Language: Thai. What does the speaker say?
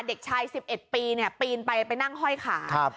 เด็กชายสิบเอ็ดปีเนี่ยปีนไปไปนั่งห้อยขาครับ